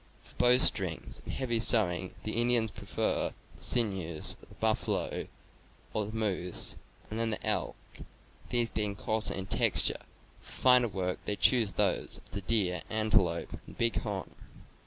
For bow strings and heavy sewing, the Indians preferred the sinews of the buffalo or the moose, and then the elk, these being coarse in texture; for finer work they chose 288 CAMPING AND WOODCRAFT those of the deer, antelope, and bighorn.